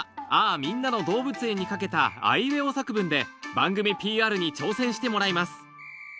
みんなの動物園』に掛けたあいうえお作文で番組ＰＲに挑戦してもらいます